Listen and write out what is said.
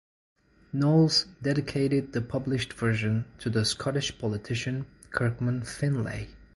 Knowles dedicated the published version to the Scottish politician Kirkman Finlay.